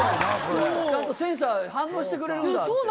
ちゃんとセンサー反応してくれるんだって。